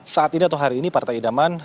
saat ini atau hari ini partai idaman